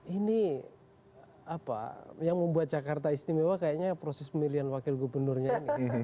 ini apa yang membuat jakarta istimewa kayaknya proses pemilihan wakil gubernurnya ini